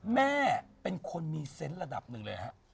แม่เป็นคนมีเซนต์ระดับหนึ่งเลยฮะ